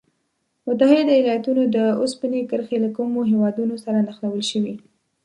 متحد ایلاتونو د اوسپنې کرښې له کومو هېوادونو سره نښلول شوي؟